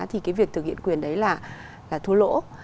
thì cái việc thực hiện quyền đấy là thua lỗ